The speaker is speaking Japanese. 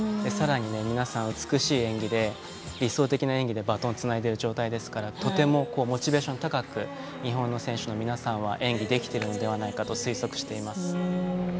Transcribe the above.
さらに皆さん、美しい理想的な演技でバトンをつないでいる状態ですからとてもモチベーション高く日本の選手の皆さんは演技できているのではないかと推測しています。